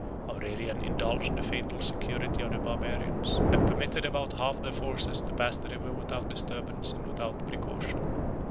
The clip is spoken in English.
Aurelian indulged the fatal security of the barbarians, and permitted about half their forces to pass the river without disturbance and without precaution.